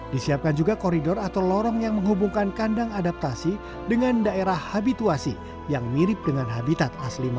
disiapkan juga koridor atau lorong yang menghubungkan kandang adaptasi dengan daerah habituasi yang mirip dengan habitat asli